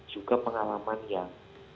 juga pengalaman yang